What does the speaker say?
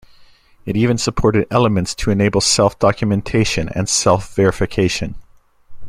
It even supported elements to enable self-documentation and self-verification.